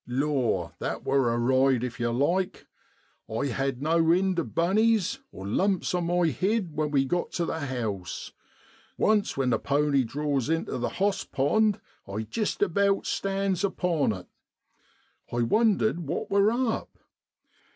Law ! that wor a ride if yer like ; 1 had no ind of bunnies (lumps) on my hid when we got tu the house, once when the pony draws intu the hoss pond I jest about stands upon it. I won dered what wor up